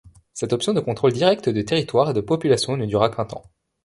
Cette option de contrôle direct de territoires et de populations ne dura qu'un temps.